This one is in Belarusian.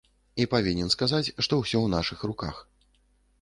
І павінен сказаць, што ўсё ў нашых руках.